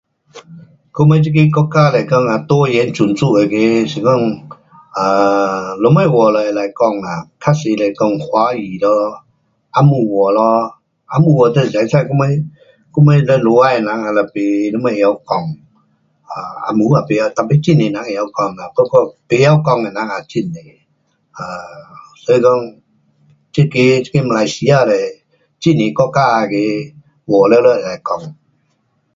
我们这个国家是讲 um 多元种族那个是讲 um 什么话来，来讲啊，较多是讲华语咯，红毛话咯，红毛话得会知我们，我们楼外的人就没什么会晓讲。um 红毛也甭晓，tapi 很多人会讲，不会的人也很多。所以讲这个，这个马来西亚嘞很多国家那个话全部都会讲。